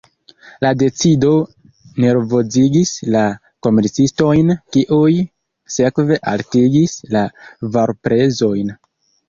La decido nervozigis la komercistojn, kiuj sekve altigis la varprezojn.